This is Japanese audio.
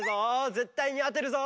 ぜったいにあてるぞ！